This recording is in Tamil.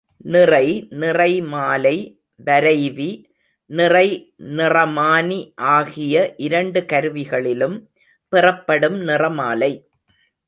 நிறை நிறமாலை வரைவி, நிறை நிறமானி ஆகிய இரண்டு கருவிகளிலும் பெறப்படும் நிறமாலை.